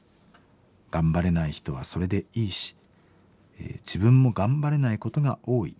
頑張れない人はそれでいいし自分も頑張れないことが多い。